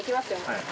はい。